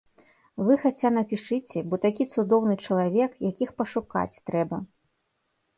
Вы хаця напішыце, бо такі цудоўны чалавек, якіх пашукаць трэба.